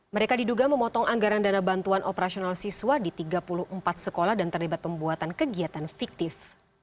mereka diduga memotong anggaran dana bantuan operasional siswa di tiga puluh empat sekolah dan terlibat pembuatan kegiatan fiktif